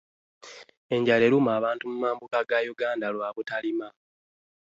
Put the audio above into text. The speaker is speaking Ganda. Enjala eruma abantu mu mambuka ga uganda lwa butalima.